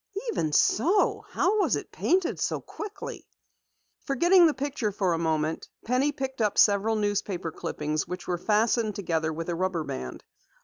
Even so, how was it painted so quickly?" Forgetting the picture for a moment, Penny picked up several newspaper clippings which were fastened together with a rubber band.